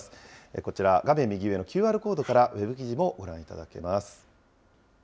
こちら、画面右上のＱＲコードからウェブ記事もご覧いただけます。